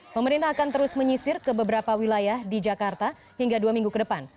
pemerintah akan terus menyisir ke beberapa wilayah di jakarta hingga dua minggu ke depan